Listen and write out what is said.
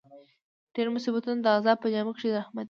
ډېر مصیبتونه د عذاب په جامه کښي رحمت يي.